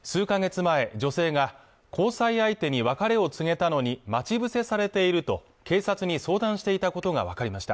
前女性が交際相手に別れを告げたのにまちぶせされていると警察に相談していたことが分かりました